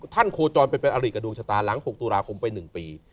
ท่านโครจรย์ไปเป็นล้าง๖ตุลาคมไป๑ปี